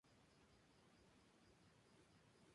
Aliens" como voces adicionales.